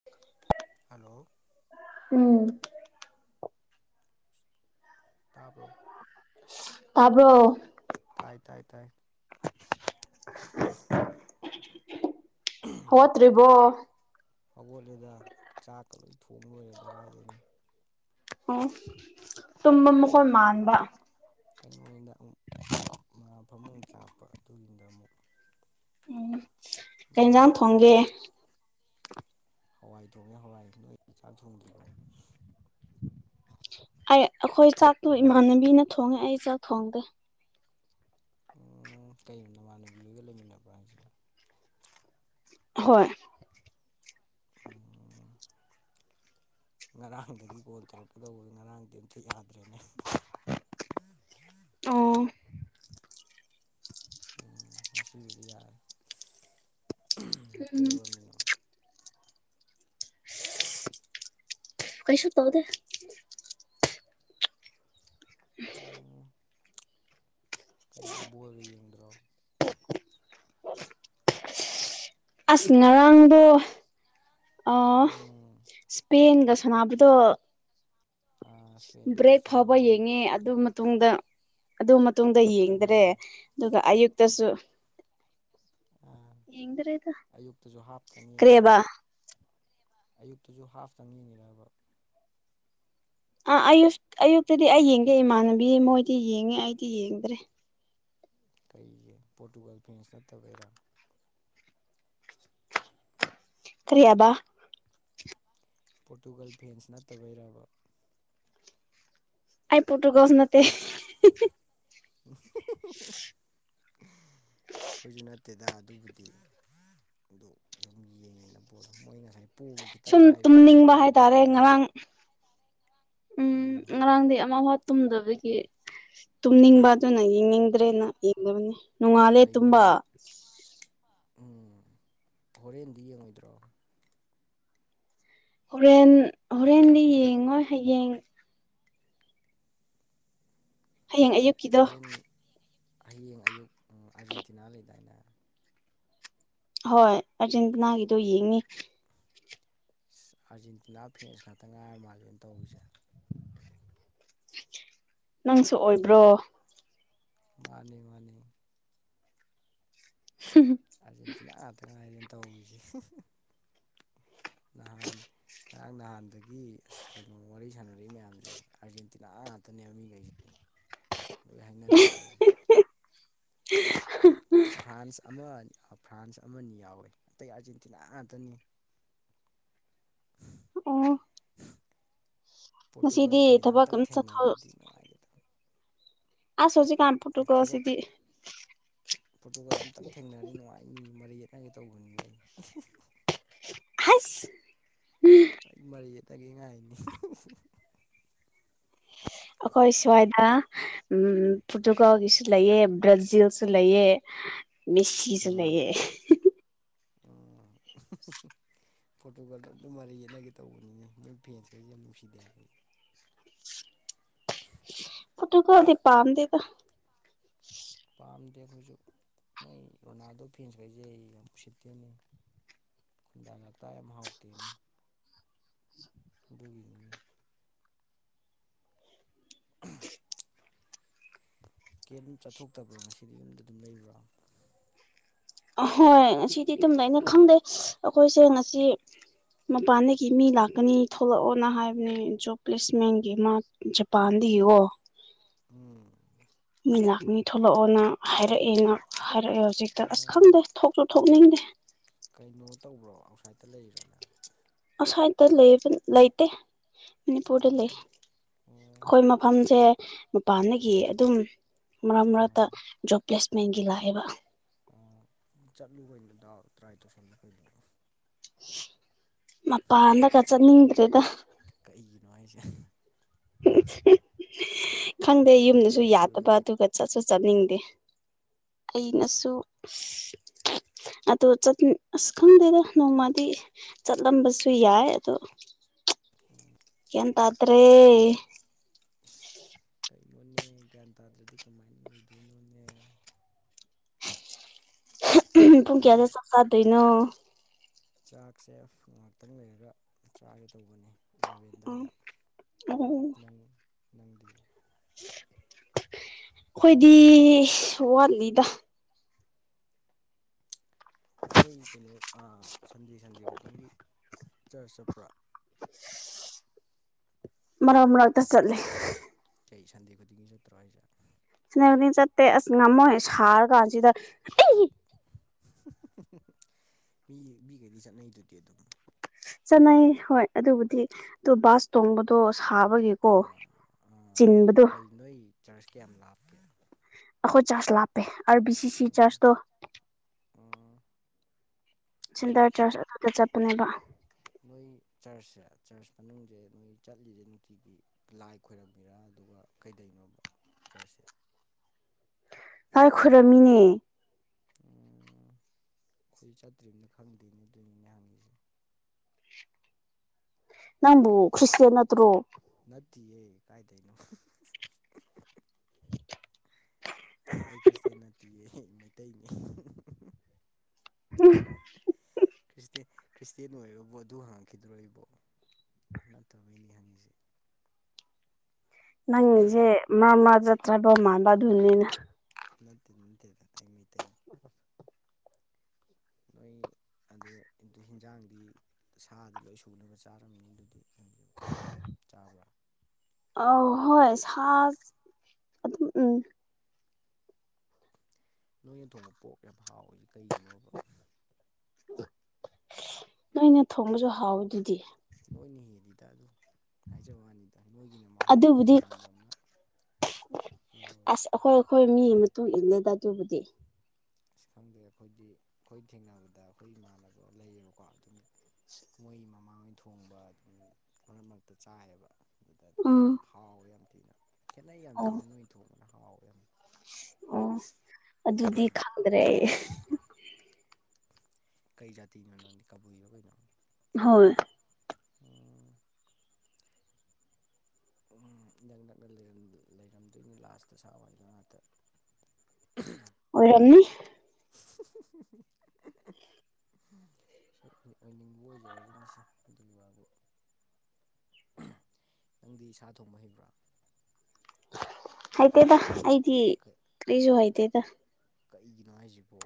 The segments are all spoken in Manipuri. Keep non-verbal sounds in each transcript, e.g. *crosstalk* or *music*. *inaudible* ꯍꯜꯂꯣ ꯎꯝ ꯇꯥꯕ꯭ꯔꯣ ꯇꯥꯕꯣ ꯇꯥꯏ ꯇꯥꯏ ꯇꯥꯏ ꯍꯣꯠ꯭ꯔꯤꯔꯤꯕꯣ ꯍꯧꯒꯠꯂꯦꯗ ꯆꯥꯛꯀ ꯂꯣꯏ ꯊꯣꯡ ꯂꯣꯏꯔꯦꯗ ꯀꯥꯏꯗꯣꯏꯅꯣ ꯑꯣ ꯇꯨꯝꯕ ꯃꯈꯣꯏ ꯃꯥꯟꯕ ꯀꯩꯅꯣ ꯑꯣꯏꯅ ꯑꯃꯨꯛ *inaudible* ꯃꯥ ꯐꯃꯨꯡ ꯆꯥꯄ ꯑꯗꯨꯒꯤꯗ ꯑꯃꯨꯛ ꯎꯝ ꯃꯤ ꯀꯩꯦꯟꯟꯁꯥꯡ ꯊꯣꯡꯒꯦ ꯍꯋꯥꯏ ꯊꯣꯡꯉꯦ ꯍꯋꯥꯏ ꯅꯣꯏ ꯆꯥꯛ ꯊꯣꯡꯗ꯭ꯔꯤꯕꯣ ꯑꯩ ꯑꯩꯈꯣꯏ ꯆꯥꯛꯇꯣ ꯏꯃꯥꯟꯅꯕꯤꯅ ꯊꯣꯡꯉꯦ ꯑꯩ ꯆꯥꯛ ꯊꯣꯡꯗꯦ ꯎ ꯀꯩꯅꯣ ꯅꯃꯥꯟꯅꯕꯤꯒꯒ ꯂꯩꯃꯤꯟꯅꯕ꯭ꯔꯥ ꯍꯥꯏꯁꯤꯦ ꯍꯣꯏ ꯑꯣ ꯉꯔꯥꯡꯗꯒꯤ ꯀꯣꯜ ꯇꯧꯔꯛꯀꯦꯗꯧꯕꯅꯤ ꯉꯔꯥꯡꯗꯤ ꯑꯝꯇ ꯌꯥꯗ꯭ꯔꯦꯅꯦ ꯑꯣ ꯎꯝ ꯉꯁꯤꯕꯨꯗꯤ ꯌꯥꯔꯦ ꯎꯝ ꯀꯩꯗꯧꯔꯝꯃꯤꯅꯣ ꯀꯩꯁꯨ ꯇꯕꯗꯦ ꯑꯣ ꯀꯩꯅꯣ ꯕꯣꯔꯒ ꯌꯦꯡꯗ꯭ꯔꯣ ꯍ ꯑꯁ ꯉꯔꯥꯡꯗꯣ ꯎꯝ ꯕꯦꯟꯒ ꯁꯥꯟꯅꯕꯗꯣ ꯑꯥ ꯏꯁꯄꯦꯟꯒ ꯕ꯭ꯔꯦꯛ ꯐꯥꯎꯕ ꯑꯁꯇ꯭ꯔꯦꯂꯤꯌꯥꯒ ꯌꯦꯡꯉꯦ ꯑꯗꯨ ꯃꯇꯨꯡꯗ ꯑꯗꯨ ꯃꯇꯨꯡꯗ ꯌꯦꯡꯗꯔꯦ ꯇꯨꯝꯃꯦ ꯑꯗꯨꯒ ꯑꯌꯨꯛꯇꯁꯨ ꯑ ꯌꯦꯡꯗ꯭ꯔꯦꯗ ꯑꯌꯨꯛꯇꯁꯨ ꯍꯥꯞꯀꯅꯤꯉꯅ ꯀꯔꯤꯕ ꯑꯌꯨꯛꯇꯁꯨ ꯍꯥꯐꯇꯪ ꯌꯦꯡꯅꯤꯔꯕ ꯑꯥ ꯑꯌꯨ ꯑꯌꯨꯛꯇꯗꯤ ꯑꯩ ꯌꯦꯡꯒꯦ ꯏꯃꯥꯟꯅꯕꯤ ꯃꯣꯏꯗꯤ ꯌꯦꯡꯉꯦ ꯑꯩꯗꯤ ꯌꯦꯡꯗ꯭ꯔꯦ ꯀꯩꯒꯤ ꯄꯣꯔꯇꯨꯒꯜ ꯐ꯭ꯔꯦꯟꯁ ꯅꯠꯇꯕꯩꯔꯥ ꯀꯔꯤ ꯍꯥꯏꯕ ꯀꯕ ꯄꯣꯔꯇꯨꯒꯜ ꯐꯦꯟꯁ ꯅꯠꯇꯕ ꯏꯔꯕ ꯑꯩꯥꯏ ꯄꯣꯇꯨꯒꯁꯅꯇꯩ ꯍꯣꯏꯖꯅ ꯇꯦꯗꯥ ꯑꯗꯨꯕꯨꯗꯤ ꯑꯗꯨ ꯁꯨꯝ ꯌꯦꯡꯉꯤꯅ ꯄꯣꯠꯂꯣ ꯃꯣꯏ ꯉꯁꯥꯏ ꯄꯣꯒꯤ ꯈꯤꯇꯪ ꯁꯨꯝ ꯉꯥꯏꯕꯅꯦ ꯇꯨꯝꯅꯤꯡꯕ ꯗꯥꯎ ꯍꯥꯏꯇꯥꯔꯦ ꯌꯥꯕꯒꯤ ꯉꯔꯥꯡ ꯎꯝ ꯉꯔꯥꯡꯗꯤ ꯑ ꯍ ꯇꯨꯝꯗꯕꯒꯤ ꯇꯨꯝꯅꯤꯡꯕ ꯑꯗꯨꯅ ꯌꯦꯡꯅꯤꯡꯗ꯭ꯔꯦꯅ ꯌꯦꯡꯗꯕꯅꯤ ꯅꯣꯡꯉꯥꯜꯂꯦ ꯀꯩꯅꯣ ꯇꯨꯝꯕ ꯎꯝ ꯍꯣꯔꯦꯟꯗꯤ ꯌꯦꯡꯉꯣꯏꯗ꯭ꯔꯣ ꯍꯣꯔꯦꯟ ꯍꯣꯔꯦꯟꯗꯤ ꯌꯦꯡꯉꯣꯏ ꯍꯌꯦꯡ ꯍꯌꯦꯡ ꯑꯌꯨꯛ ꯍꯣꯔꯦꯟ ꯍꯌꯦꯡ ꯑꯌꯨꯛ ꯑꯥꯔꯖꯦꯟꯇꯤꯅꯥ ꯂꯩꯗꯥꯏꯅ ꯍꯣꯏ ꯑꯔꯖꯦꯟꯇꯤꯅꯥꯒꯤꯗꯣ ꯌꯦꯡꯅꯤ ꯑꯥꯔꯖꯦꯟꯇꯤꯅꯥ ꯐ꯭ꯔꯦꯟꯁ ꯈꯛꯇ ꯉꯥꯏꯔ ꯃꯥꯜꯂꯦꯅ ꯇꯧꯔꯤꯁꯦ ꯅꯪꯁꯨ ꯑꯣꯏꯕ꯭ꯔꯣ ꯃꯥꯅꯤ ꯃꯥꯅꯤ ꯍ ꯑꯥꯔꯖꯦꯟꯇꯤꯅꯥ ꯉꯥꯛꯇ ꯉꯥꯏꯔꯦꯅ ꯇꯧꯔꯤꯁꯦ ꯅꯍꯥꯟ ꯉꯔꯥꯡ ꯅꯍꯥꯟꯗꯒꯤ ꯑꯁ ꯀꯩꯅꯣꯝ ꯋꯥꯔꯤ ꯁꯥꯟꯅꯔꯛ ꯃꯌꯥꯝꯁꯦ ꯑꯥꯔꯖꯦꯟꯇꯤꯅꯥ ꯉꯥꯛꯇꯅꯦꯕ ꯃꯤꯈꯩꯁꯦ ꯂꯣꯏ ꯍꯦꯡꯅꯔꯖꯦ ꯐ꯭ꯔꯥꯟꯁ ꯑꯃ ꯐ꯭ꯔꯥꯟꯁ ꯑꯃꯅꯤ ꯌꯥꯎꯋꯦ ꯑꯇꯩ ꯑꯥꯔꯖꯦꯟꯇꯤꯅꯥ ꯉꯥꯛꯇꯅꯤ ꯑꯣ ꯄꯣꯔꯇꯨꯒꯜ ꯉꯁꯤꯗꯤ ꯐ꯭ꯔꯦꯟꯁ ꯊꯕꯛ ꯑꯝꯇꯪ ꯑꯃ ꯆꯠꯊꯣꯛ ꯊꯦꯡꯅꯔꯗꯤ ꯅꯨꯡꯉꯥꯏꯒꯗꯕꯅꯤ ꯑꯁꯁꯤ ꯊꯕꯛ ꯐꯣꯇꯣꯒ ꯑꯝꯇꯪ ꯊꯦꯡꯅꯔꯅꯤ ꯅꯨꯡꯉꯥꯏꯅꯤ ꯃꯔꯩ ꯌꯦꯠꯅꯒꯦ ꯇꯧꯕꯅꯤꯅꯦ ꯑꯩ ꯑꯁ ꯑꯩ ꯃꯔꯤ ꯌꯦ ꯇꯒꯦꯉ ꯍꯥꯏꯅꯤ ꯑꯩꯈꯣꯏꯁꯨꯏꯗ ꯎꯝ ꯄꯣꯔꯇꯨꯒꯥꯜꯒꯤꯁꯨ ꯂꯩꯑꯦ ꯕ꯭ꯔꯥꯖꯤꯜꯁꯨ ꯂꯩꯑ ꯃꯤꯁꯤ ꯁꯨ ꯂꯩꯌꯦ ꯎꯝ ꯎꯝ ꯄꯣꯔꯇꯨꯒꯜꯗꯣ ꯑꯝꯇ ꯃꯔꯩ ꯌꯦꯠꯅꯒꯦ ꯇꯧꯕꯅꯤꯅꯦ ꯃꯣꯏ ꯐꯦꯟꯁꯈꯩꯁꯦ ꯌꯥꯝ ꯅꯨꯡꯁꯤꯗꯦ ꯍꯥꯏꯕ ꯑꯩ ꯄꯣꯔꯇꯨꯒꯜꯗꯤ ꯄꯥꯝꯗꯦꯗ ꯄꯥꯝꯗꯦ ꯑꯩꯈꯣꯏꯁꯨ ꯃꯣꯏ ꯔꯣꯅꯥꯜꯗꯣ ꯐꯦꯟꯁꯈꯩꯁꯦ ꯌꯥꯝ ꯎꯁꯤꯠꯇꯦꯅꯦ ꯈꯨꯟꯗꯥ ꯂꯥꯛꯇ ꯌꯥꯝ ꯍꯥꯎꯇꯦꯅꯤ ꯑꯗꯨꯒꯤꯅꯤꯅꯦ ꯀꯩꯝ ꯆꯠꯊꯣꯛꯇꯕ꯭ꯔꯣ ꯉꯁꯤꯗꯤ ꯌꯨꯝꯗ ꯑꯗꯨꯝ ꯂꯩꯕ꯭ꯔꯣ ꯑꯍꯣꯏ ꯉꯁꯤꯗꯤ ꯗꯨꯝ ꯂꯩꯅ ꯈꯪꯗꯦ ꯑꯈꯣꯏꯁꯦ ꯉꯁꯤ ꯃꯄꯥꯟꯗꯒꯤ ꯃꯤ ꯂꯥꯛꯀꯅꯤ ꯊꯣꯛꯂꯛꯑꯣꯅ ꯍꯥꯏꯕꯅꯦ ꯖꯣꯕ ꯄ꯭ꯂꯦꯁꯃꯦꯟꯒꯤ ꯃꯥ ꯖꯄꯥꯟꯗꯒꯤ ꯑꯣ ꯎꯝ ꯃꯤ ꯂꯥꯛꯅꯤ ꯊꯣꯛꯂꯛꯑꯣꯅ ꯍꯥꯏꯔꯛꯑꯦꯅ ꯍꯥꯏꯔꯛꯑꯦ ꯍꯧꯖꯤꯛꯇ ꯑꯁ ꯎꯝ ꯈꯪꯗꯦ ꯊꯣꯛꯁꯨ ꯊꯣꯛꯅꯤꯡꯗꯦ ꯀꯩꯅꯣ ꯇꯧꯕ꯭ꯔꯣ ꯑꯥꯎꯠꯁꯥꯏꯗꯠꯇ ꯂꯩꯔꯤꯔꯣ ꯅꯪ ꯑꯥꯎꯠꯁꯥꯏꯗꯠꯇ ꯂꯩꯕꯅꯤ ꯂꯩꯇꯦ ꯃꯅꯤꯄꯨꯔꯗ ꯂꯩ ꯑꯣ ꯑꯈꯣꯏ ꯃꯐꯝꯁꯦ ꯃꯄꯥꯟꯗꯒꯤ ꯑꯗꯨꯝ ꯃꯔꯛ ꯃꯔꯛꯇ ꯖꯣꯕ ꯄ꯭ꯂꯦꯁꯃꯦꯟꯒꯤ ꯂꯥꯛꯑꯦꯕ ꯑꯣ ꯆꯠꯂꯨ ꯀꯩꯅꯣ ꯗꯥꯎ ꯇ꯭ꯔꯥꯏ ꯇꯧꯁꯜꯂꯨ ꯀꯩꯅꯣ ꯃꯄꯥꯟꯗꯒ ꯆꯠꯅꯤꯡꯗ꯭ꯔꯦꯗ ꯀꯩꯒꯤꯅꯣ ꯍꯥꯏꯖꯦ *unintelligible* ꯈꯪꯗꯦ ꯌꯨꯝꯗꯁꯨ ꯃꯅꯤꯄꯨꯔꯗ ꯌꯥꯗꯕ ꯂꯩ ꯑꯗꯨꯒ ꯆꯠꯁꯨ ꯆꯠꯅꯤꯡꯗꯦ ꯑꯩꯅꯁꯨ ꯑꯗꯨ ꯆꯠꯅꯤꯡ ꯑꯁ ꯈꯪꯗꯦꯗ ꯅꯣꯡꯃꯗꯤ ꯆꯠꯂꯝꯕꯁꯨ ꯌꯥꯏ ꯑꯗꯣ ꯎꯝ ꯒ꯭ꯌꯥꯟ ꯇꯥꯗꯔꯦ ꯀꯩꯅꯣꯅꯦ ꯒ꯭ꯌꯥꯟ ꯇꯥꯗ꯭ꯔꯗꯤ ꯀꯃꯥꯏꯅ ꯂꯩꯗꯣꯏꯅꯣꯅꯦ ꯎꯝ ꯄꯨꯨꯡꯀꯌꯥꯗ ꯆꯥꯛ ꯆꯥꯗꯣꯏꯅꯣ ꯆꯥꯛꯁꯦ ꯑꯐ ꯉꯥꯛꯇꯪ ꯂꯩꯔꯒ ꯆꯥꯒꯦ ꯇꯧꯕꯅꯤ ꯏꯂꯚꯦꯟ ꯎꯝ ꯑꯗꯥꯏꯗ ꯎꯝ ꯅꯪ ꯅꯪꯗꯤ ꯑꯩꯈꯣꯏꯗꯤ ꯋꯥꯠꯂꯤꯗ ꯅꯣꯏ ꯀꯩꯅꯣ ꯑ ꯁꯟꯗꯦ ꯁꯟꯗꯦ ꯈꯨꯗꯤꯡꯒꯤ ꯆꯔꯆ ꯆꯠꯄ꯭ꯔꯥ ꯃꯔꯛ ꯃꯔꯛꯇ ꯆꯠꯂꯦ ꯀꯩ ꯁꯟꯗꯦ ꯈꯨꯗꯤꯡꯒꯤ ꯆꯠꯇ꯭ꯔꯣ ꯍꯥꯏꯁꯦ ꯁꯅꯦꯕꯨꯗꯤ ꯆꯠꯇꯦ ꯑꯁ ꯉꯝꯃꯣꯏ ꯁꯥꯔ ꯀꯥꯟꯁꯤꯗ ꯑꯩ ꯃꯤ ꯃꯤꯒꯩꯗꯤ ꯆꯠꯅꯩꯗꯨꯗꯤ ꯑꯗꯨꯝ ꯆꯠꯅꯩ ꯍꯣꯏ ꯑꯗꯨꯕꯨꯗꯤ ꯑꯗꯨ ꯕꯥꯁ ꯇꯣꯡꯕꯗꯣ ꯁꯥꯕꯒꯤꯀꯣ ꯑꯥ ꯑꯥ ꯆꯤꯟꯕꯗꯣ ꯀꯩ ꯅꯣꯏ ꯆꯔꯖ ꯀꯌꯥꯝ ꯂꯥꯞꯀꯦ ꯑꯈꯣꯏ ꯆꯔꯖ ꯂꯥꯞꯄꯦ ꯑꯥꯔ ꯕꯤ ꯁꯤ ꯁꯤ ꯎꯝ ꯆꯔꯖꯇꯣ ꯎꯝ ꯁꯤꯟꯗꯔ ꯆꯔꯆ ꯑꯗꯨꯗ ꯆꯠꯄꯅꯦꯕ ꯅꯣꯏ ꯆꯔꯆꯁꯦ ꯆꯔꯁ ꯃꯅꯨꯡꯖꯦ ꯅꯣꯏ ꯆꯠꯂꯤꯖꯦ ꯅꯨꯡꯇꯤꯒꯤ ꯂꯥꯏ ꯈꯣꯏꯔꯝꯃꯤꯔ ꯑꯗꯨꯒ ꯀꯩꯗꯩꯅꯣꯕ ꯆꯔꯁꯁꯦ ꯂꯥꯏ ꯈꯣꯏꯔꯝꯃꯤꯅꯦ ꯎꯝ ꯑꯩꯈꯣꯏ ꯆꯠꯇ꯭ꯔꯝꯅꯤꯅ‌ ꯈꯪꯗꯦꯅꯦ ꯑꯗꯨꯏꯅꯤꯅꯦ ꯍꯪꯉꯤꯖꯦ ꯅꯪꯕꯨ ꯈ꯭ꯔꯤꯁꯇꯦꯟ ꯅꯠꯇꯔꯣ ꯅꯠꯇꯤꯌꯦ ꯀꯥꯏꯗꯩꯅꯣ ꯑꯩ ꯈ꯭ꯔꯤꯁꯇꯦꯟ ꯅꯠꯇꯤꯌꯦ ꯃꯩꯇꯩꯅꯦ *unintelligible* ꯈ꯭ꯁ ꯈ꯭ꯔꯤꯁꯇꯦꯟ ꯑꯣꯏꯕꯨ ꯑꯗꯨ ꯍꯥꯡꯈꯤꯗꯣꯕꯣ ꯅꯠꯇꯕꯩꯅꯤ ꯍꯪꯉꯤꯁꯦ ꯅꯪꯁꯦ ꯃꯥꯃꯥ ꯆꯠꯇ꯭ꯔꯕ ꯃꯥꯟꯕ ꯑꯗꯨꯅꯤꯅ ꯅꯠꯇꯦ ꯅꯠꯇꯦꯗ ꯑꯩ ꯃꯩꯇꯩꯅꯤ ꯅꯣꯏ ꯑꯗꯨ ꯍꯤꯟꯖꯥꯡꯗꯤ ꯁꯥꯗꯤ ꯂꯣꯏ ꯁꯨꯅꯕ ꯆꯥꯔꯝꯅꯤ ꯑꯗꯨꯗꯤ ꯅꯣꯏꯁꯨ ꯆꯥꯕ꯭ꯔꯥ ꯑ ꯍꯣꯏ ꯆꯥꯛ ꯑꯗꯨꯝ ꯎꯝ ꯅꯣꯏꯅ ꯊꯣꯡꯕ ꯄꯣꯛ ꯌꯥꯝ ꯍꯥꯎꯋꯁꯦ ꯀꯩꯒꯤꯅꯣꯕ ꯅꯣꯏꯅ ꯊꯣꯡꯕꯁꯨ ꯍꯥꯎꯋꯦ ꯑꯗꯨꯗꯤ ꯅꯣꯏꯅ ꯍꯦꯜꯂꯤꯗ ꯑꯗꯨ ꯍꯥꯏꯖꯕ ꯋꯥꯅꯤꯗ ꯅꯣꯏꯒꯤꯅ ꯃꯍꯥꯎ ꯑꯃ ꯑꯗꯨꯕꯨꯗꯤ ꯇꯣꯉꯥꯟꯕ ꯑꯃ ꯌꯥꯎꯋꯦꯕ ꯍꯣꯏ ꯃꯤ ꯃꯇꯨꯡ ꯏꯜꯂꯦꯗ ꯑꯗꯨꯕꯨꯗꯤ ꯑꯁ ꯈꯪꯗꯦ ꯑꯩꯈꯣꯏꯗꯤ ꯑꯩꯈꯣꯏ ꯊꯦꯡꯅꯕꯗ ꯑꯩꯈꯣꯏ ꯏꯃꯥꯟꯅꯕ ꯂꯩꯌꯦꯕꯀꯣ ꯑꯗꯨꯝ ꯃꯣꯏꯒꯤ ꯃꯃꯥꯡꯉꯣꯏ ꯊꯣꯡꯕ ꯑꯗꯨꯝ ꯃꯔꯛ ꯃꯔꯛꯇ ꯆꯥꯏꯌꯦꯕ ꯑꯗꯨꯗ ꯑꯗꯨꯝ ꯎꯝ ꯍꯥꯎꯋꯦ ꯌꯥꯝ ꯊꯤꯅ ꯈꯦꯠꯅꯩ ꯌꯥꯝ ꯑꯣ ꯊꯤꯅ ꯅꯣꯏ ꯊꯣꯡꯕꯅ ꯍꯥꯎꯋ ꯌꯥꯝ ꯑꯣ ꯑꯗꯨꯗꯤ ꯈꯪꯗ꯭ꯔꯦ ꯀꯩ ꯖꯥꯇꯤꯅꯣ ꯅꯪꯗꯤ ꯀꯥꯕꯨꯏꯕ ꯀꯅꯣ ꯍꯣꯏ ꯎꯝ ꯎ ꯅꯛ ꯅꯛꯅ ꯂꯩꯔꯝꯗꯣꯏꯅꯤ ꯂꯥꯁꯇ ꯁꯋꯥꯏꯗ ꯉꯥꯛꯇ ꯑꯣ ꯔꯝꯅꯤ *inaudible* ꯁ ꯑꯣꯏꯅꯤꯡꯕ ꯑꯣꯏꯖꯔꯁꯤꯡꯅꯤꯁꯦ ꯑꯗꯨꯒꯤ ꯋꯥꯕꯨ ꯅꯪꯗꯤ ꯏꯁꯥ ꯊꯣꯡꯕ ꯍꯩꯕ꯭ꯔꯥ ꯍꯥꯏꯩꯇꯦꯗ ꯑꯩꯗꯤ ꯀꯔꯤꯁꯨ ꯍꯩꯇꯦꯗ ꯀꯛꯏꯒꯤꯅꯣ ꯍꯥꯏꯁꯤꯕꯣ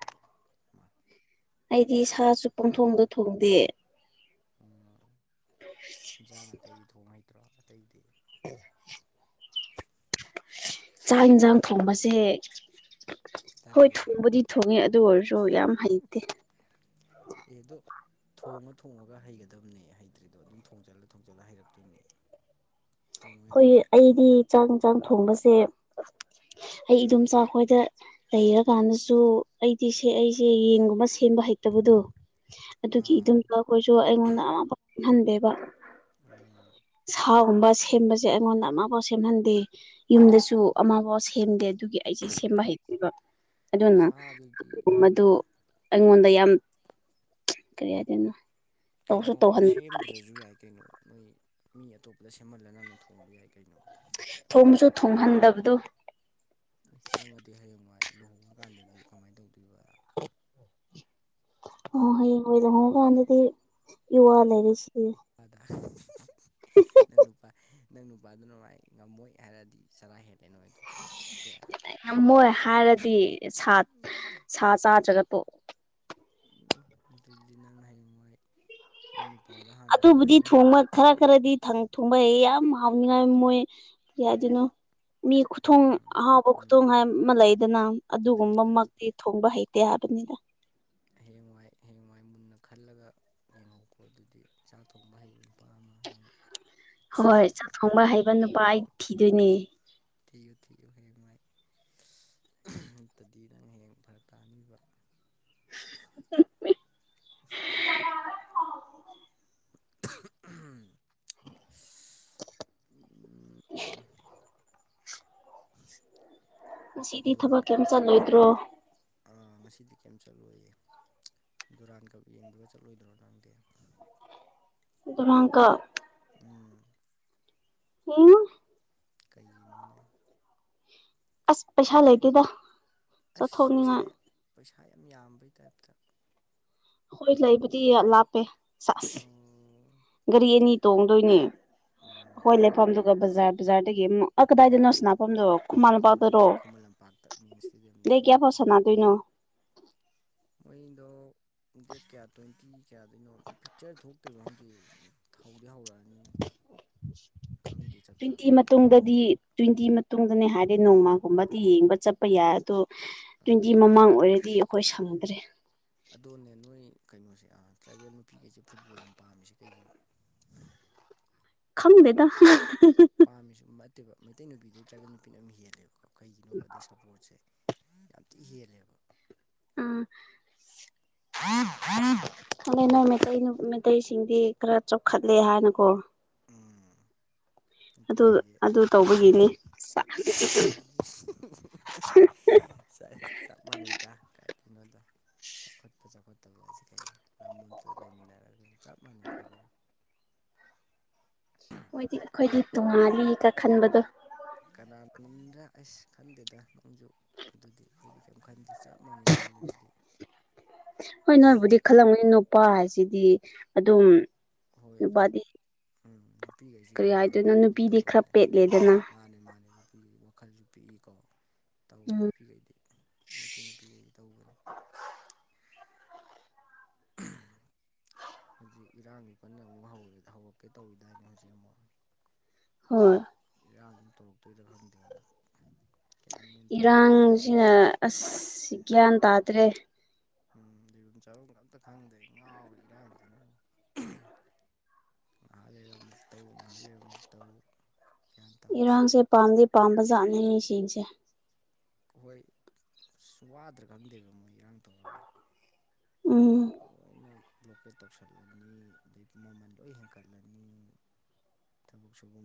ꯃꯥ ꯑꯩꯗꯤ ꯁꯥꯁꯨ ꯄꯣꯟꯊꯣꯡꯗ ꯊꯣꯡꯗꯦ ꯎ ꯏꯟꯖꯥꯡ ꯑꯇꯩꯗꯤ ꯊꯣꯡ ꯍꯩꯇ꯭ꯔꯣ ꯑꯇꯩꯗꯤ ꯎ ꯆꯥꯛ ꯌꯦꯟꯁꯥꯡ ꯊꯣꯡꯕꯁꯦ ꯍꯣꯏ ꯇꯜꯂꯤꯔꯥ ꯊꯣꯡꯕꯨꯗꯤ ꯊꯣꯡꯉꯦ ꯑꯗꯨ ꯑꯣꯏꯔꯁꯨ ꯌꯥꯝ ꯍꯩꯇꯦ ꯑꯩꯗꯣ ꯊꯣꯡꯉ ꯊꯣꯡꯉꯒ ꯍꯩꯒꯗꯕꯅꯦ ꯍꯩꯇ꯭ꯔꯤꯗꯣ ꯑꯗꯨꯝ ꯊꯣꯡꯖꯤꯜꯂ ꯊꯣꯡꯖꯤꯜꯂ ꯍꯩꯔꯛꯇꯣꯏꯅꯦ ꯊꯣꯡꯉꯨ ꯑꯩꯈꯣꯏ ꯌꯥꯗ꯭ꯔꯣ ꯑꯩꯗꯤ ꯆꯥꯛ ꯌꯦꯟꯁꯥꯡ ꯊꯣꯡꯕꯁꯦ ꯑꯩ ꯏꯗꯨꯝꯆꯥ ꯈꯈꯣꯏꯗ ꯂꯩꯔꯀꯥꯟꯗꯁꯨ ꯑꯩꯗꯤ ꯁꯦ ꯑꯩꯁꯦ ꯌꯦꯟꯒꯨꯝꯕ ꯁꯦꯝꯕ ꯍꯩꯇꯕꯗꯣ ꯑꯗꯨꯒꯤ ꯑꯥ ꯑꯗꯨꯝ ꯑꯩꯈꯣꯏꯁꯨ ꯑꯩꯉꯣꯟꯗ ꯑꯃ ꯐꯪꯍꯟꯗꯦꯕ ꯑ ꯁꯥꯒꯨꯝꯕ ꯁꯦꯝꯕꯁꯦ ꯑꯩꯉꯣꯟꯗ ꯑꯃꯐꯥꯎ ꯁꯦꯝꯍꯟꯗꯦ ꯌꯨꯝꯗꯁꯨ ꯑꯃꯕꯥꯎ ꯁꯦꯝꯗꯦ ꯑꯗꯨꯒꯤ ꯑꯩꯁꯦ ꯁꯦꯝꯕ ꯍꯩꯇꯦꯕ ꯑꯗꯨꯅ ꯁꯥꯗꯨꯗꯤ ꯃꯗꯨ ꯑꯩꯉꯣꯟꯗ ꯌꯥꯝ ꯀꯔꯤ ꯍꯥꯏꯗꯣꯏꯅꯣ ꯇꯧꯁꯨ ꯀꯩꯅꯣ ꯇꯧꯍꯟꯗꯕ ꯁꯦꯝꯗ꯭ꯔꯁꯨ ꯌꯥꯏ ꯀꯩꯅꯣ ꯃꯣꯏ ꯃꯤ ꯑꯇꯣꯞꯄꯗ ꯁꯦꯝꯍꯜꯂ ꯅꯪꯅ ꯊꯣꯡꯕ ꯌꯥꯏ ꯀꯩꯅꯣ ꯊꯣꯡꯕꯁꯨ ꯊꯣꯡꯍꯟꯗꯕꯗꯣ ꯅꯪꯒꯗꯤ ꯍꯌꯦꯡꯋꯥꯏ ꯂꯨꯍꯣꯡꯉꯀꯥꯟꯗꯗꯤ ꯀꯃꯥꯏꯅ ꯇꯧꯗꯣꯏꯕ ꯑ ꯍ ꯑꯣꯏꯗ ꯍꯣꯡ ꯀꯥꯟꯗꯗꯤ ꯌꯨꯋꯥ ꯂꯩꯔꯁꯤ ꯑꯗ ꯅꯪ ꯅꯨꯄꯥ ꯅꯪ ꯅꯨꯄꯥꯗꯨ ꯅꯨꯡꯉꯥꯏ ꯉꯝꯃꯣꯏ ꯍꯥꯏꯔꯗꯤ ꯆꯔꯥ ꯍꯦꯜꯂꯦ ꯅꯣꯏ ꯑꯗꯨꯗꯤ ꯇꯣꯛꯑꯦ ꯉꯝꯃꯣꯏ ꯍꯥꯏꯔꯗꯤ ꯁꯥ ꯎꯝ ꯁꯥ ꯆꯥꯗ꯭ꯔꯒ ꯇꯣꯛ ꯎꯝ ꯑꯗꯨꯗꯤ ꯅꯪ ꯍꯌꯦꯡꯋꯥꯏ ꯅꯪ ꯅꯨꯄꯥꯗꯣ ꯍꯥꯟꯅ ꯑꯗꯨꯕꯨꯗꯤ ꯍꯥꯏꯅꯧ ꯊꯣꯡꯕ ꯈꯔ ꯈꯔꯗꯤ ꯊꯪ ꯊꯣꯡꯕ ꯑꯩ ꯌꯥꯝ ꯍꯥꯎꯅꯤꯡꯉꯥꯏ ꯃꯣꯏ ꯀꯔꯤ ꯍꯥꯏꯗꯣꯏꯅꯣ ꯃꯤ ꯈꯨꯊꯣꯡ ꯎꯝ ꯑꯍꯥꯎꯕ ꯎꯝ ꯊꯣꯡ ꯎꯝ ꯍꯥꯏꯕ ꯑꯃ ꯂꯩꯗꯅ ꯂꯩ ꯂꯩ ꯑꯗꯨꯒꯨꯝꯕꯃꯛꯇꯤ ꯊꯣꯡꯕ ꯍꯩꯇꯦ ꯍꯥꯏꯕꯅꯤꯗ ꯍꯌꯦꯡꯋꯥꯏ ꯍꯌꯦꯡꯋꯥꯏ ꯃꯨꯟꯅ ꯈꯜꯂꯒ ꯌꯦꯡꯍꯧꯀꯣ ꯑꯗꯨꯗꯤ ꯆꯥꯛ ꯊꯣꯡꯕ ꯍꯩꯕ ꯅꯨꯄꯥ ꯑꯃ ꯅꯪ ꯍꯣꯏ ꯆꯥꯛ ꯊꯣꯡꯕ ꯍꯩꯕ ꯅꯨꯄꯥ ꯑꯩ ꯊꯤꯗꯣꯏꯅꯦ ꯊꯤꯌꯨ ꯊꯤꯌꯨ ꯍꯌꯦꯡ ꯋꯥꯏ ꯅꯠꯇꯔꯗꯤ ꯅꯪ ꯍꯌꯦꯡ ꯐꯔꯛ ꯇꯥꯅꯤꯕ *unintelligible* ꯎꯝ *unintelligible* ꯎꯝ ꯎ *unintelligible* ꯉꯁꯤꯗꯤ ꯗꯨꯔꯥꯟ ꯊꯕꯛ ꯀꯩꯝ ꯆꯠꯂꯣꯏꯗ꯭ꯔꯣ ꯑꯥ ꯉꯁꯤꯗꯤ ꯀꯩꯝ ꯆꯠꯂꯣꯏꯌꯦ ꯗꯨꯔꯥꯟ ꯀꯞ ꯌꯦꯡꯕꯒ ꯆꯠꯂꯣꯏꯗ꯭ꯔꯣ ꯅꯪꯗꯤ ꯗꯨꯔꯥꯟ ꯀꯞ ꯎꯝ ꯌꯦꯡꯉꫭꯏ ꯀꯩꯒꯤꯅꯣꯅꯦ ꯑꯁ ꯄꯩꯁꯥ ꯂꯩꯇꯦꯗ ꯑꯁ ꯄꯩꯁꯥ ꯆꯠꯊꯣꯛꯅꯤꯡꯉꯥꯏ ꯄꯩꯁꯥ ꯌꯥꯝ ꯌꯥꯝꯕꯩ ꯇꯥꯏꯞꯇ ꯑꯈꫭꯏ ꯂꯩꯕꯗꯤ ꯂꯥꯞꯄꯦ ꯆꯁ ꯑꯣ ꯒꯥꯔꯤ ꯑꯅꯤ ꯇꯣꯡꯗꯣꯏꯅꯦ ꯑꯣ ꯑꯩꯈꯣꯏ ꯂꯩꯐꯝꯗꯨꯒ ꯕꯖꯥꯔ ꯕꯖꯥꯔꯗꯒꯤ ꯑꯃꯨꯛ ꯑ ꯀꯗꯥꯏꯗꯅꯣ ꯁꯅꯥꯐꯝꯗꯣ ꯑꯣ ꯈꯨꯃꯪ ꯂꯝ ꯄꯥꯛ ꯈꯨꯃꯟ ꯇꯔꯣ ꯂꯝꯄꯥꯛ ꯈꯨꯃꯟ ꯂꯝꯄꯥꯛꯇ ꯃꯦꯟ ꯏꯁꯇꯦꯗꯤꯌꯝꯗ ꯗꯦꯠ ꯎꯝ ꯀꯌꯥꯐꯥꯎ ꯁꯥꯟꯅꯗꯣꯏꯅꯣ ꯃꯣꯏꯗꯣ ꯗꯦꯠ ꯀꯌꯥ ꯇ꯭ꯋꯦꯟꯇꯤ ꯀꯌꯥꯗꯩꯅꯣ ꯄꯤꯛꯆꯔ ꯊꯣꯛꯇꯣꯏꯔꯤꯕ ꯈꯪꯗꯦ ꯍꯧꯗꯤ ꯍꯧꯔꯛꯑꯅꯤ ꯈꯪꯗꯦ ꯆꯞ ꯇꯨ꯭ꯋꯦꯟꯇꯤ ꯆꯥꯕꯤ ꯗꯦꯠ ꯑꯩ ꯃꯇꯨꯡꯗꯗꯤ ꯇꯨ꯭ꯋꯦꯟꯇꯤ ꯃꯇꯨꯡꯗꯅꯦ ꯍꯥꯏꯔꯗꯤ ꯅꯣꯡꯃ ꯀꯨꯨꯝꯕꯗꯤ ꯌꯦꯡꯕ ꯆꯠꯄ ꯌꯥꯏ ꯑꯗꯣ ꯇꯨ꯭ꯋꯦꯟꯇꯤ ꯑꯥ ꯃꯃꯥꯡ ꯑꯣꯏꯔꯗꯤ ꯑꯈꯣꯏ ꯁꯪꯗ꯭ꯔꯦ ꯑꯗꯣꯅꯦ ꯅꯣꯏ ꯀꯩꯅꯣꯁꯦ ꯑ ꯇ꯭ꯔꯥꯏꯕꯦꯜ ꯅꯨꯄꯤꯈꯩꯁꯦ ꯐꯨꯠꯕꯣꯜ ꯌꯥꯝ ꯄꯥꯝꯃꯤꯁꯦ ꯀꯩꯒꯤꯅꯣ ꯈꯪꯗꯦꯗ ꯄꯥꯝꯃꯤꯁꯨ ꯅꯠꯇꯦꯕ ꯃꯩꯇꯩ ꯅꯨꯄꯤꯗꯩ ꯇ꯭ꯔꯥꯏꯕꯦꯜ ꯅꯨꯄꯤꯅ ꯌꯥꯝ ꯍꯦꯜꯂꯦꯕꯀꯣ ꯀꯩꯒꯤꯅꯣ ꯑꯗꯩ ꯁꯞꯄꯣꯔꯠꯁꯦ ꯌꯥꯝꯊꯤ ꯍꯦꯜꯂꯦꯕ ꯎꯝ ꯑꯗ ꯅꯣꯏ ꯃꯩꯇꯩ ꯅꯨꯞ ꯃꯩꯇꯩꯁꯤꯡꯗꯤ ꯈꯔ ꯆꯥꯎꯈꯠꯂꯦ ꯍꯥꯏꯅꯀꯣ ꯎꯝ ꯑꯗꯨ ꯅꯨꯄꯤꯒꯩꯖꯦ ꯑꯗꯨ ꯇꯧꯕꯒꯤꯅꯤ ꯇꯧꯗꯦꯕ ꯎꯝ ꯆꯦꯁ ꯆꯞ ꯃꯥꯟꯅꯩꯗ ꯀꯥꯏꯗꯩꯅꯣꯗ ꯆꯥꯎꯈꯠꯄ ꯆꯥꯎꯈꯠꯇꯕ ꯍꯥꯏꯁꯦ ꯀꯩꯅꯣ ꯂꯝꯑꯝꯇꯗ ꯂꯩꯃꯤꯟꯅꯔꯒ ꯆꯞ ꯃꯥꯟꯅꯩ ꯑꯩꯈꯣꯏ ꯂꯣꯏꯅ ꯍꯣꯏꯗꯤ ꯑꯩꯈꯣꯏꯗꯤ ꯇꯣꯡꯉꯥꯜꯂꯤꯗ ꯈꯟꯕꯗꯣ ꯀꯅꯥ ꯅꯨꯡꯗ ꯑꯩꯁ ꯈꯟꯗꯦꯗ ꯅꯪꯁꯨ ꯑꯗꯨꯗꯤ ꯑꯩꯈꯣꯏꯗꯤ ꯀꯩꯝ ꯈꯟꯗꯦ ꯆꯞ ꯃꯥꯟꯅꯩ ꯈꯜꯂꯦ ꯑꯈꫭꯏꯗꯤ ꯍꯣꯏ ꯅꯣꯏꯕꯨꯗꯤ ꯈꯜꯂꯝꯒꯅꯤ ꯅꯨꯄꯥ ꯍꯥꯏꯁꯤꯗꯤ ꯑꯗꯨꯝ ꯍꯣꯏ ꯑꯗꯣ ꯅꯨꯄꯥꯗꯤ ꯎꯝ ꯅꯨꯄꯤꯒꯩꯁꯤꯗꯤ ꯀꯔꯤ ꯍꯣꯏ ꯍꯥꯏꯗꯣꯏꯅꯣ ꯀꯩꯅꯣꯝꯕꯨꯗꯤ ꯅꯨꯄꯤꯗꯤ ꯈꯔ ꯇꯧꯒꯜꯂꯦ ꯄꯦꯠꯂꯦꯗꯅ ꯃꯥꯅꯦ ꯃꯥꯅꯦ ꯅꯨꯄꯤ ꯋꯥꯈꯜꯖꯤ ꯄꯤꯛꯏꯀꯣ ꯇꯧꯋꯤ ꯎꯝ ꯅꯨꯄꯤꯒꯩꯗꯤ ꯃꯩꯇꯩ ꯅꯨꯄꯤꯒꯩꯗꯤ ꯇꯧꯕꯅꯤ ꯎꯝ ꯍꯧꯖꯤꯛ ꯏꯔꯥꯡ ꯀꯟꯅ ꯑꯃꯨꯛ ꯍꯧꯔꯦ ꯍꯧꯔꯛꯀꯦ ꯇꯧꯔꯤꯗꯥꯏꯅꯦ ꯍꯧꯖꯤꯛ ꯑꯃꯨꯛ ꯍꯣꯏ ꯏꯔꯥꯡ ꯑꯃꯨꯛ ꯇꯧꯔꯛꯇꯣꯏꯔ ꯈꯪꯗꯦ ꯑꯃꯨꯛ ꯒꯌꯥꯟ ꯃꯦꯟ ꯇꯥꯗꯔꯦ ꯏꯔꯥꯡꯁꯤꯅ ꯇꯧꯔꯤꯁꯤ ꯑꯁ ꯒ꯭ꯌꯥꯟ ꯇꯥꯗ꯭ꯔꯦ ꯎꯝ ꯂꯩꯕꯝ ꯆꯥꯕꯝꯒ ꯑꯝꯇ ꯈꯪꯗ꯭ꯔꯦ ꯉꯥꯎꯔꯦ ꯏꯔꯥꯡꯖꯤꯅꯕꯨ ꯉꯥꯍꯥꯛ ꯂꯩꯔ ꯑꯃꯨꯛ ꯇꯧ ꯉꯥꯍꯥꯛ ꯂꯩꯔ ꯑꯃꯨꯛ ꯇꯧ ꯒ꯭ꯌꯥꯟ ꯇꯥꯗꯦ ꯏꯔꯥꯡꯁꯦ ꯄꯥꯝꯗꯤ ꯄꯥꯝꯕ ꯖꯥꯠꯅꯤ ꯍꯣꯏ ꯑꯁ ꯋꯥꯗ꯭ꯔꯥ ꯈꯪꯗꯦꯕ ꯃꯣꯏ ꯏꯔꯥꯡ ꯇꯧꯔꯒ ꯎꯝ ꯂꫭꯏꯅ ꯕ꯭ꯂꯣꯀꯦꯠ ꯇꯧꯁꯜꯂꯅꯤ ꯑꯗꯩ ꯃꯃꯜ ꯂꯣꯏ ꯍꯦꯟꯀꯠꯂꯅꯤ ꯊꯕꯛ ꯁꯨꯕ